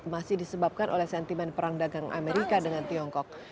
masih disebabkan oleh sentimen perang dagang amerika dengan tiongkok